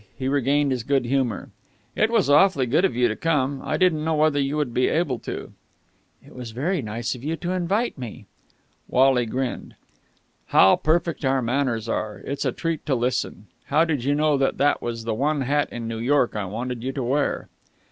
He regained his good humour. "It was awfully good of you to come. I didn't know whether you would be able to." "It was very nice of you to invite me." Wally grinned. "How perfect our manners are! It's a treat to listen! How did you know that that was the one hat in New York I wanted you to wear?"